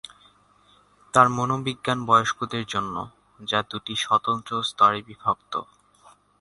তাঁর মনোবিজ্ঞান বয়স্কদের জন্য, যা দুটি স্বতন্ত্র স্তরে বিভক্ত।